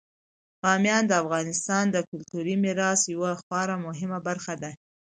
بامیان د افغانستان د کلتوري میراث یوه خورا مهمه برخه ده.